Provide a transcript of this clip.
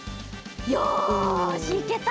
よしいけた！